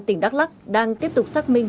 tỉnh đắk lắc đang tiếp tục xác minh